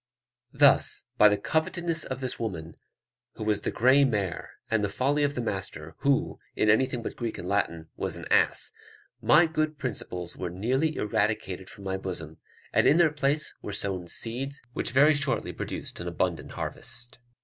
Thus, by the covetousness of this woman, who was the grey mare, and the folly of the master, who, in anything but Greek and Latin, was an ass, my good principles were nearly eradicated from my bosom, and in their place were sown seeds which very shortly produced an abundant harvest.